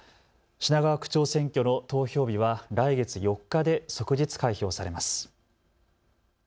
品川区長選挙の投票日は来月４日で即日開票されます。